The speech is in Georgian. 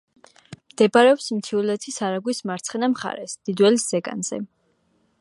მდებარეობს მთიულეთის არაგვის მარცხენა მხარეს, დიდველის ზეგანზე.